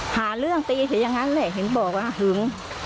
หาเรื่องตีมีก็อย่างนั้นแหละเห็นเบาะกลางหึง